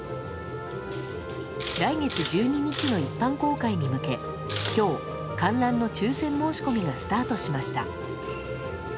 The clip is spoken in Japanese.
来月１２日の一般公開に向け今日、観覧の抽選申し込みがスタートしました。